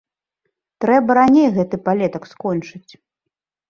Трэба раней гэты палетак скончыць.